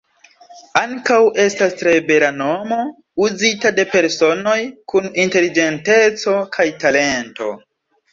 Ankaŭ estas tre bela nomo, uzita de personoj kun inteligenteco kaj talento.